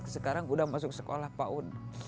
sekarang sudah masuk sekolah pak un